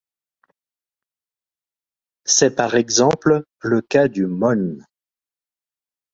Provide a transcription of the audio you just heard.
C'est par exemple le cas du môn.